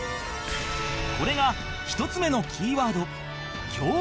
これが１つ目のキーワード協力